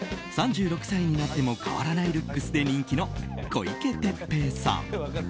３６歳になっても変わらないルックスで人気の小池徹平さん。